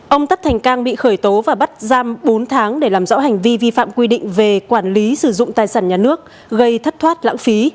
ông tất thành cang bị khởi tố và bắt giam bốn tháng để làm rõ hành vi vi phạm quy định về quản lý sử dụng tài sản nhà nước gây thất thoát lãng phí